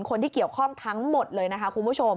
คนที่เกี่ยวข้องทั้งหมดเลยนะคะคุณผู้ชม